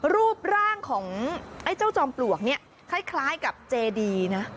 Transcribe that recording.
รูปร่างของไอ้เจ้าจอมปลวกเนี่ยคล้ายกับเจดีนะ